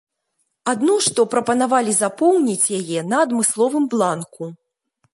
Адно што прапанавалі запоўніць яе на адмысловым бланку.